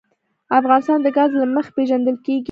افغانستان د ګاز له مخې پېژندل کېږي.